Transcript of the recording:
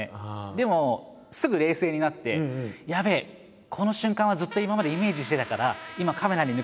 でもすぐ冷静になって「やべえ！この瞬間はずっと今までイメージしてたから」